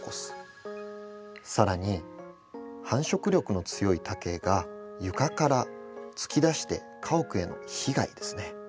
更に繁殖力の強い竹が床から突き出して家屋への被害ですね。